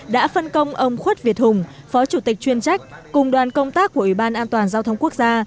đã phân công ông khuất việt hùng phó chủ tịch chuyên trách cùng đoàn công tác của ủy ban an toàn giao thông quốc gia